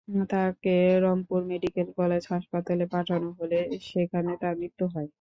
তাঁকে Rangpur medical college হাসপাতালে পাঠানো হলে সেখানে তাঁর মৃত্যু হয়।